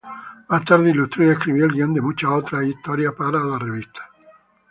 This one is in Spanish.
Más tarde ilustró y escribió el guion de muchas otras historias para la revista.